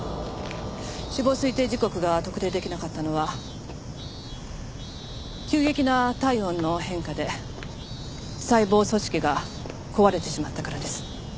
死亡推定時刻が特定出来なかったのは急激な体温の変化で細胞組織が壊れてしまったからです。